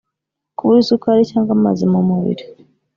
kubura isukari cyangwa amazi mu mubiri